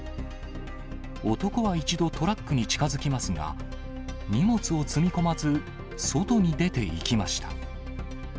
男は一度トラックに近づきますが、荷物を積み込まず、外に出ていきました。